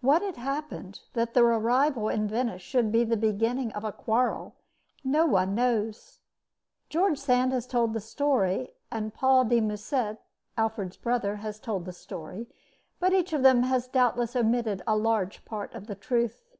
What had happened that their arrival in Venice should be the beginning of a quarrel, no one knows. George Sand has told the story, and Paul de Musset Alfred's brother has told the story, but each of them has doubtless omitted a large part of the truth.